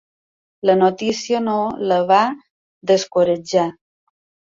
La notícia no la va descoratjar.